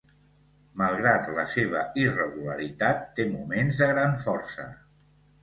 Malgrat la seva irregularitat, té moments de gran força.